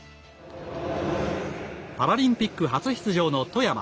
パラリンピック初出場の外山。